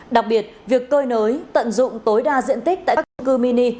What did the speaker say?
đặc biệt việc cơi nới tận dụng tối đa diện tích tại các trung cư mini